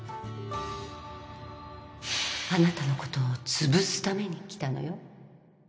あなたのことを潰すために来たのよ